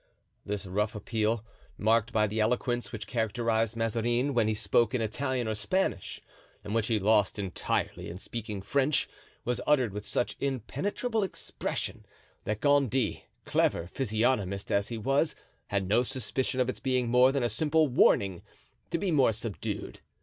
This rough appeal, marked by the eloquence which characterized Mazarin when he spoke in Italian or Spanish and which he lost entirely in speaking French, was uttered with such impenetrable expression that Gondy, clever physiognomist as he was, had no suspicion of its being more than a simple warning to be more subdued.